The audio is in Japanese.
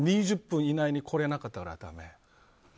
２０分以内に来れなかったらだめ。